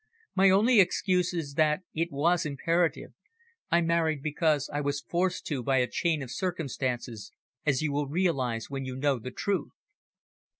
My only excuse is that it was imperative. I married because I was forced to by a chain of circumstances, as you will realise when you know the truth."